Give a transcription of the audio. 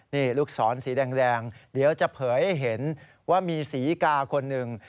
นี่ลูกศรสีแดงเดี๋ยวจะเผยให้เห็นว่ามีศรีกาคนหนึ่ง